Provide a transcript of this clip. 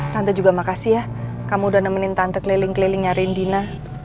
tante juga makasih ya kamu udah nemenin tante keliling keliling nyari dina